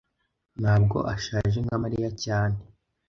ntabwo ashaje nka mariya cyane